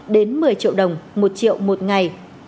đến một mươi triệu đồng một triệu một ngày